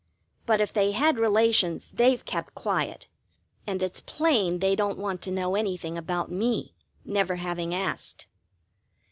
But if they had relations they've kept quiet, and it's plain they don't want to know anything about me, never having asked.